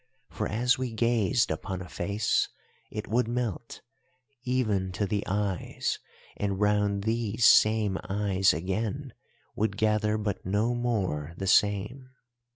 For as we gazed upon a face it would melt, even to the eyes, and round these same eyes again would gather but no more the same.